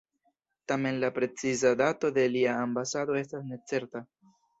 Tamen la preciza dato de lia ambasado estas necerta.